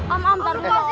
am am taruh